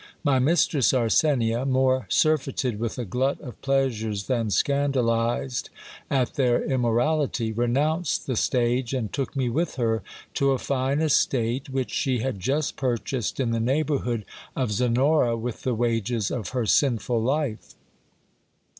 My mistress Arsenia, more surfeited with a glut of pleasures than scandalized at their immorality, renounced the stage, and took me with her to a fine estate which she had just purchased in the neighbourhood of Zenora with the wages of her sinful life.